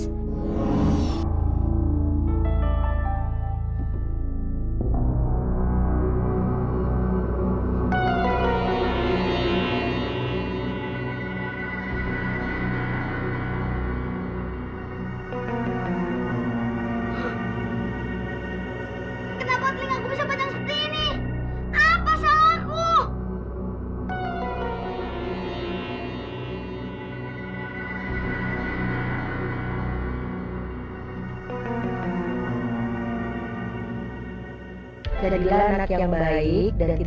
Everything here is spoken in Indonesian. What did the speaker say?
kenapa telinga aku bisa panjang seperti ini